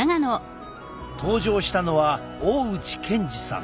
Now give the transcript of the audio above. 登場したのは大内謙二さん。